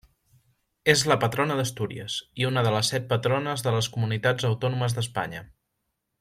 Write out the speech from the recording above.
És la patrona d'Astúries i una de les set Patrones de les Comunitats Autònomes d'Espanya.